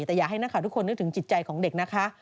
แต่อยากให้นักข่าวทุกคนนึกถึงจิตใจของเด็กนะคะ